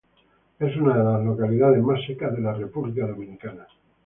Es una de las localidades más secas de la República Dominicana.